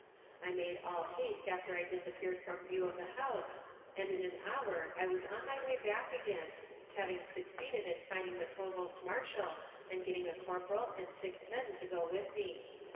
I made all haste after I disappeared from view of the house, and in an hour I was on my way back again, having succeeded in finding the provost marshal, and getting a corporal and six men to go with me.